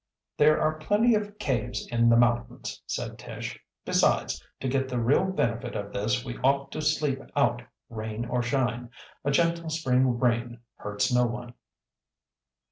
"There are plenty of caves in the mountains," said Tish. "Besides, to get the real benefit of this we ought to sleep out, rain or shine. A gentle spring rain hurts no one."